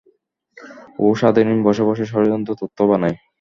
ও সারাদিন বসে বসে ষড়যন্ত্র তত্ত্ব বানায়।